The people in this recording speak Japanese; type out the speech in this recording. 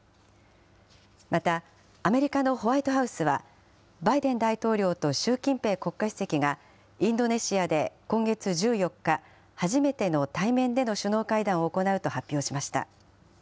また、アメリカのホワイトハウスは、バイデン大統領と習近平国家主席が、インドネシアで今月１４日、初めての対面での首脳会談を行うと発表しました。